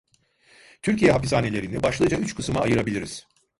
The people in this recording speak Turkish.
Türkiye hapishanelerini başlıca üç kısıma ayırabiliriz: